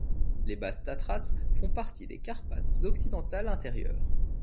Les Basses Tatras font partie des Carpates occidentales intérieures.